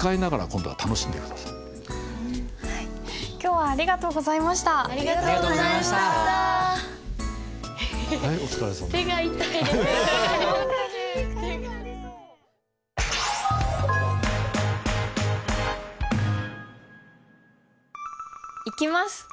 いきます。